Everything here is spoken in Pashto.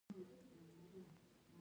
اوښ د افغانستان د جغرافیې بېلګه ده.